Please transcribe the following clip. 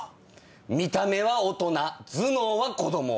見た目は大人頭脳は子供。